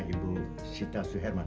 sebentar oh giliran